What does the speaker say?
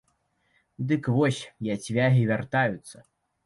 Дык вось, яцвягі вяртаюцца!